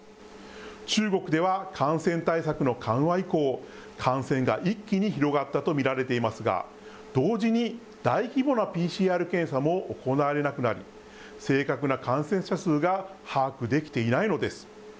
中国では感染対策の緩和以降、感染が一気に広がったと見られていますが、同時に大規模なＰＣＲ検査も行われなくなり、正確な感染者数が把握できていないのです。